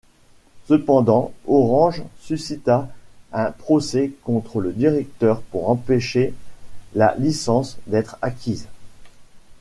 Cependant, Orange suscita un procès contre le directeur pour empêcher la licence d'être acquise.